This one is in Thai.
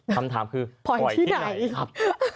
คำถามคือปล่อยที่ไหนครับ